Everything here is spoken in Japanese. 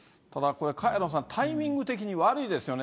これ、萱野さん、タイミング的に悪いですよね。